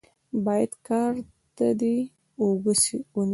بايد کار ته دې اوږه ونيسې.